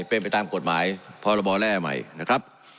เป็นไปตามกฎหมายพรบแร่ใหม่นะครับ